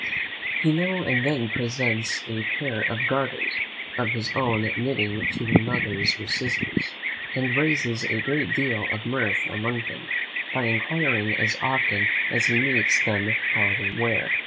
He now and then presents a pair of garters of his own knitting to their mothers or sisters; and raises a great deal of mirth among them, by enquiring as often as he meets them how they wear!